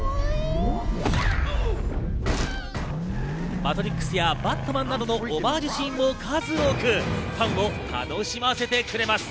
『マトリックス』や『バットマン』などのオマージュシーンも数多く、ファンを楽しませてくれます。